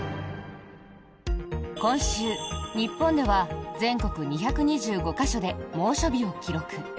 今週、日本では全国２２５か所で猛暑日を記録。